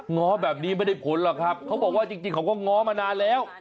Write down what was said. ง้อแบบนี้ไม่ได้ผลหรอกครับเขาบอกว่าจริงเขาก็ง้อมานานแล้ว